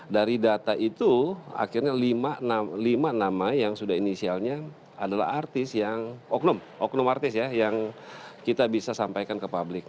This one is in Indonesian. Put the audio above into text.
dari data itu akhirnya lima nama yang sudah inisialnya adalah artis yang oknum oknum artis ya yang kita bisa sampaikan ke publik